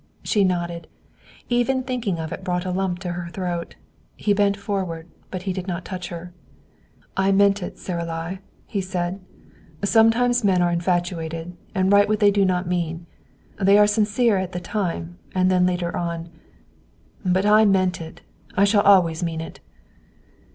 She nodded. Even thinking of it brought a lump into her throat. He bent forward, but he did not touch her. "I meant it, Saralie," he said. "Sometimes men are infatuated, and write what they do not mean. They are sincere at the time, and then later on But I meant it. I shall always mean it."